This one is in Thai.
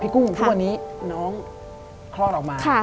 พี่กุ้งทุกวันนี้น้องฆ่อออกมา